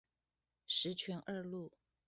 十全二路